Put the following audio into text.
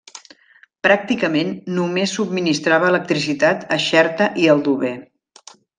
Pràcticament només subministrava electricitat a Xerta i Aldover.